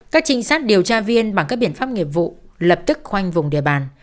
các trinh sát điều tra viên bằng các biện pháp nghiệp vụ lập tức khoanh vùng địa bàn